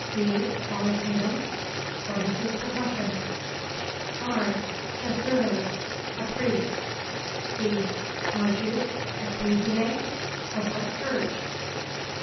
D. Dic qualitatem? What is his profession? R. Sacerdos. A priest. D. Cujus ecclesiae? Of what church?